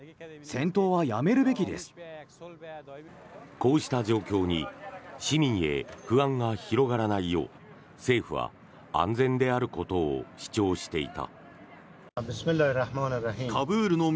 こうした状況に市民へ不安が広がらないよう政府は安全であることを主張していた。